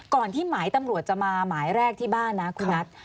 ที่หมายตำรวจจะมาหมายแรกที่บ้านนะคุณนัท